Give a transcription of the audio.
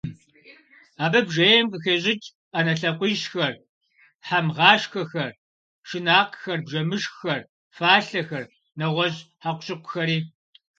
Абы бжейм къыхещӀыкӀ Ӏэнэ лъакъуищхэр, хьэмгъашхэхэр, шынакъхэр, бжэмышххэр, фалъэхэр, нэгъуэщӀ хьэкъущыкъухэри .